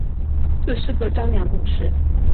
这是个张量公式。